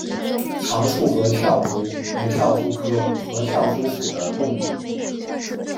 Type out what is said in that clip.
长触合跳蛛为跳蛛科合跳蛛属的动物。